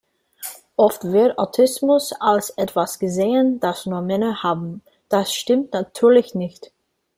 Oft wird Autismus als etwas gesehen, das nur Männer haben. Das stimmt natürlich nicht.